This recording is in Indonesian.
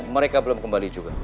mereka belum kembali juga